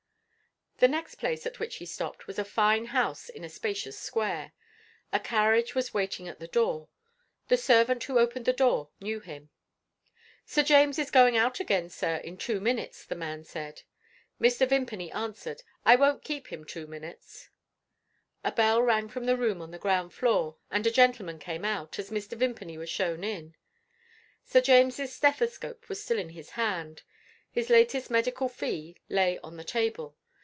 The next place at which he stopped was a fine house in a spacious square. A carriage was waiting at the door. The servant who opened the door knew him. "Sir James is going out again, sir, in two minutes," the man said. Mr. Vimpany answered: "I won't keep him two minutes." A bell rang from the room on the ground floor; and a gentleman came out, as Mr. Vimpany was shown in. Sir James's stethoscope was still in his hand; his latest medical fee lay on the table.